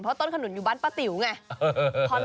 เพราะต้นขนุนอยู่บ้านป้าติ๋วไง